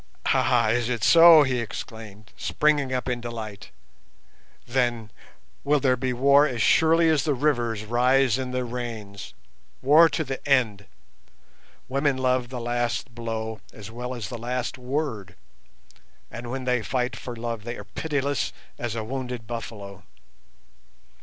"Ah, is it so?" he exclaimed, springing up in delight; "then will there be war as surely as the rivers rise in the rains—war to the end. Women love the last blow as well as the last word, and when they fight for love they are pitiless as a wounded buffalo.